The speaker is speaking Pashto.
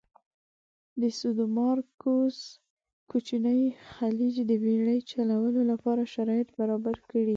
د سادومارکوس کوچینی خلیج د بېړی چلولو لپاره شرایط برابر کړي.